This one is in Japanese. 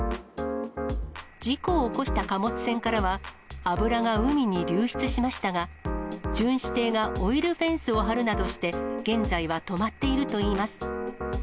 事故を起こした貨物船からは、油が海に流出しましたが、巡視艇がオイルフェンスを張るなどして、現在は止まっているといいます。